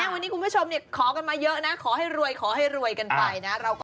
วันนี้คุณผู้ชมขอกันมาเยอะนะขอให้รวยขอให้รวยกันไปนะ